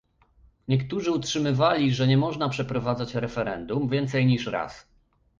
Niektórzy utrzymywali, że nie można przeprowadzać referendum więcej niż raz